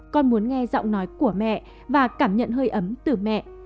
con muốn nghe giọng nói của mẹ và cảm nhận hơi ấm từ mẹ